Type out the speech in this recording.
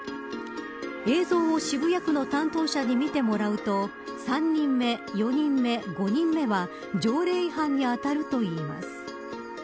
映像を渋谷区の担当者に見てもらうと３人目、４人目、５人目は条例違反に当たるといいます。